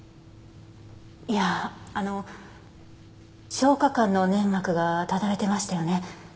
いやあの消化管の粘膜がただれてましたよね？